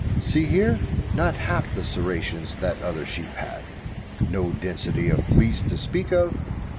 "See here not half the serrations that other sheep had. No density of fleece to speak of.